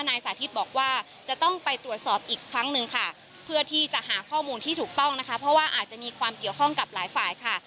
สาธิตบอกว่าจะต้องไปตรวจสอบอีกครั้งหนึ่งค่ะเพื่อที่จะหาข้อมูลที่ถูกต้องนะคะเพราะว่าอาจจะมีความเกี่ยวข้องกับหลายฝ่ายค่ะ